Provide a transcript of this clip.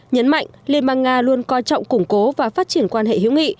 nhấn mạnh liên bang nga luôn coi trọng củng cố và phát triển quan hệ hữu nghị